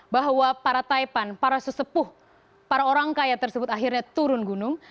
bahwa para taipan para sesepuh para orang kaya tersebut akhirnya turun gunung